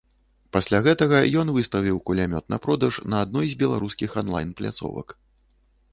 Пасля гэтага ён выставіў кулямёт на продаж на адной з беларускіх анлайн-пляцовак.